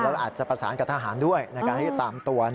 แล้วอาจจะประสานกับทหารด้วยในการที่จะตามตัว